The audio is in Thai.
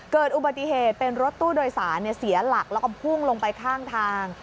เกิดอุบัติเหตุเป็นรถตู้โดยสารเสียหลักแล้วก็พุ่งลงไปข้างทาง